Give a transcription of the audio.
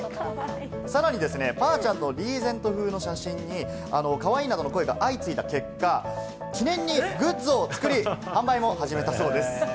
さらにですね、パーちゃんのリーゼント風の写真にかわいいなどの声が相次いだ結果、記念にグッズを作り、販売も始めたそうです。